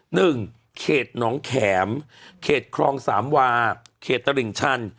หนึ่งเขตหนองแข็มเขตครองสามวาเขตตลิ่งชัน